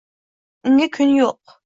Unga kun yo’q